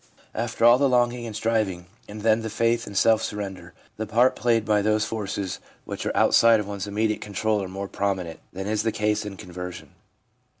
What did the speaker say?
After all the longing and striving, and then the faith and self surrender, the part played by those forces which are outside of one's immediate control are more prom inent than is the case in conversion.